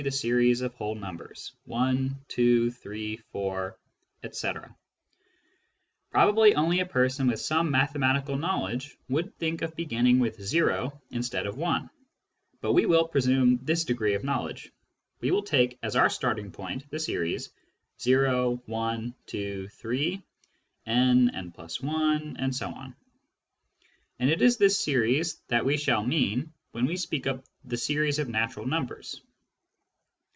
The Series of Natural Numbers 3 Probably only a person with some mathematical knowledge would think of beginning with o instead of with 1, but we will presume this degree of knowledge ; we will take as our starting point the series : o, 1, 2, 3, ... n, n + 1, ... and it is this series that we shall mean when we speak of the " series of natural numbers."